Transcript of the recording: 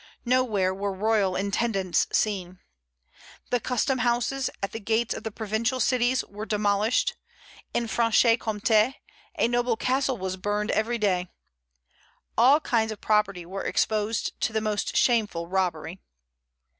Nowhere were royal intendants seen. The custom houses, at the gates of the provincial cities, were demolished. In Franche Comté a noble castle was burned every day. All kinds of property were exposed to the most shameful robbery."